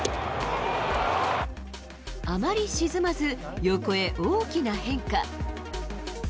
あまり沈まず、横へ大きな変化。